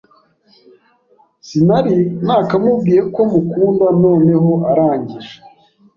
sinari nakamubwiye ko mukunda noneho arangij